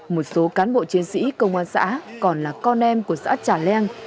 một số cán bộ chiến sĩ công an xã còn là con em của xã trà leng